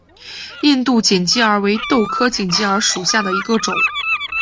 印度锦鸡儿为豆科锦鸡儿属下的一个种。